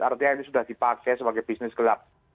artinya ini sudah dipakai sebagai bisnis gelap